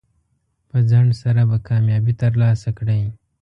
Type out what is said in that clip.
په ځنډ سره به کامیابي ترلاسه کړئ.